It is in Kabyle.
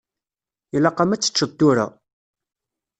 Ilaq-am ad teččeḍ tura.